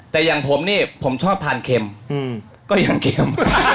แต่อย่างผมนี่ผมชอบทานเค็มก็ยังเค็ม